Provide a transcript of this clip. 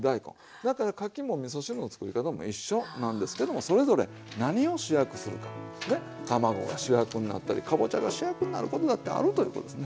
だからかきもみそ汁の作り方も一緒なんですけどもそれぞれ何を主役にするか卵が主役になったりかぼちゃが主役になるとことだってあるということですね。